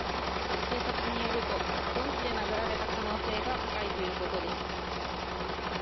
警察によると、鈍器で殴られた可能性が高いということです。